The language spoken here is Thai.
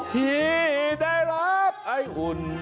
ที่ได้รับไอ้อุ่น